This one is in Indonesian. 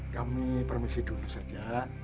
kami permisi dulu saja